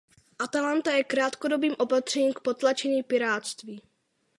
Atalanta je krátkodobým opatřením k potlačení pirátství.